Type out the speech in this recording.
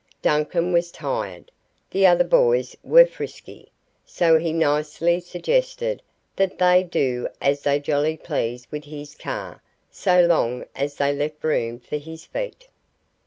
Duncan was tired the other boys were frisky so he nicely suggested that they "do as they jolly pleased with his car, so long as they left room for his feet."